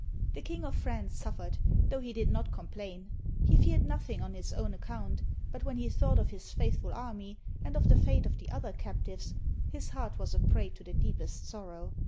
The King of France suffered, though he did not com plain; he feared nothing on his own account, but when he thought of his faithful army, and of the fate of the other captives, his heart was a prey to the deepest sor row.